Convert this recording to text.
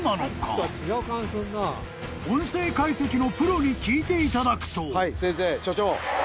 ［音声解析のプロに聞いていただくと］